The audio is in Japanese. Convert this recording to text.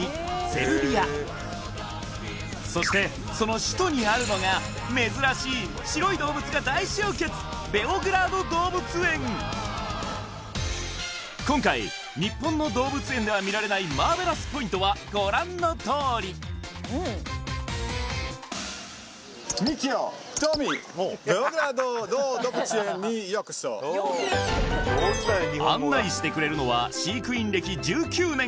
セルビアそしてその首都にあるのが今回日本の動物園では見られないマーベラスポイントはご覧のとおりミキオトミー案内してくれるのは飼育員歴１９年！